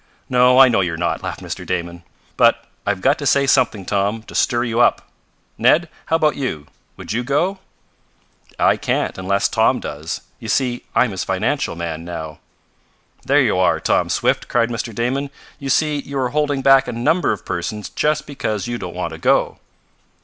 "No, I know you're not," laughed Mr. Damon. "But I've got to say something, Tom, to stir you up. Ned, how about you? Would you go?" "I can't, unless Tom does. You see I'm his financial man now." "There you are, Tom Swift!" cried Mr. Damon. "You see you are holding back a number of persons just because you don't want to go."